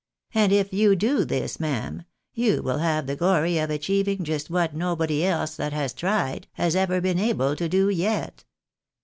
And if you do this, ma'am, you will have the glory of achieving just what nobody else that has tried, has ever been able to do yet."